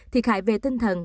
thiệt hại về tinh thần